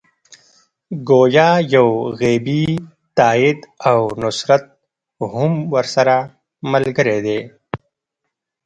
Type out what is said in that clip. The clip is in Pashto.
ګویا یو غیبي تایید او نصرت هم ورسره ملګری دی.